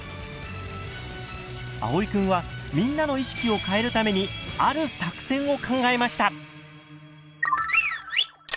あおいくんはみんなの意識を変えるためにある作戦を考えました！